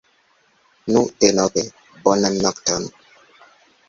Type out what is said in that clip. Nu denove, bonan nokton.